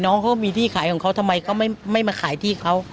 น้องเขามีที่ขายของเขาทำไมเขาไม่มาขายที่เขา